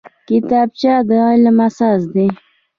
کتابچه د علم اساس دی